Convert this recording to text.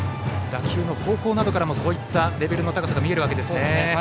打球方向などからもレベルの高さが見えるわけですね。